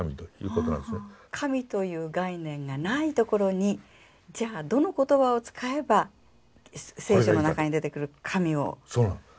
神という概念がないところにじゃあどの言葉を使えば聖書の中に出てくる神を表わせるか。